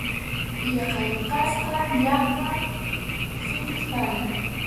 Yaqa lluqaspa, yaqa suchuspalla.